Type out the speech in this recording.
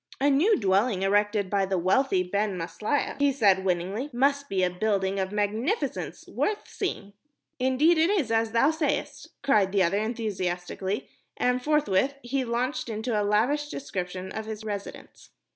"A new dwelling erected by the wealthy Ben Maslia," he said, winningly, "must be a building of magnificence, worth seeing." "Indeed it is as thou sayest," cried the other enthusiastically, and forthwith he launched into a lavish description of his residence.